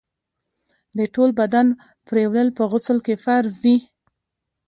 د ټول بدن پرېولل په غسل کي فرض دي.